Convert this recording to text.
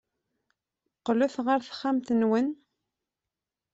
Qqlet ɣer texxamt-nwen.